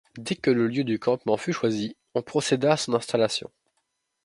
Dès que le lieu du campement fut choisi, on procéda à son installation.